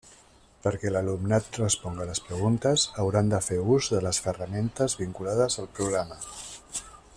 Perquè l'alumnat responga les preguntes hauran de fer ús de les ferramentes vinculades al programa.